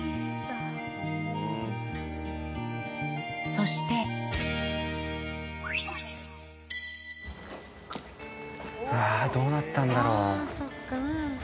そしてうわどうなったんだろう。